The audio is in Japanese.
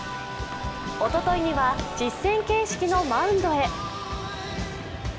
おとといには実戦形式のマウンドへ。